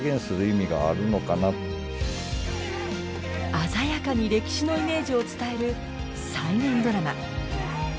鮮やかに歴史のイメージを伝える再現ドラマ。